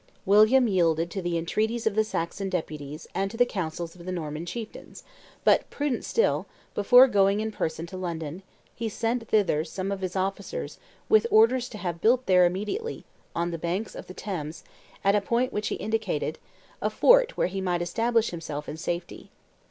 William yielded to the entreaties of the Saxon deputies and to the counsels of the Norman chieftains but, prudent still, before going in person to London, he sent thither some of his officers with orders to have built there immediately, on the banks of the Thames, at a point which he indicated, a fort where he might establish himself in safety.